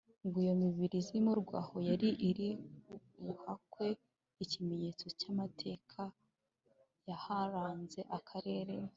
ngo iyo mibiri izimurwe aho yari iri hubakwe Ikimenyetso cy amateka yaharanze Akarere